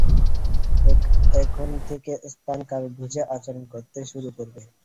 এখন থেকে স্থান-কাল বুঝে আচরণ করতে শুরু করবো।